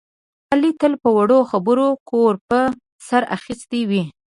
علي تل په وړه خبره کور په سر اخیستی وي.